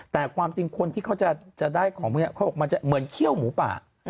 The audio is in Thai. แต่ความจริงคนที่เขาจะได้ของมันจะเหมือนเขี้ยวหมูปาก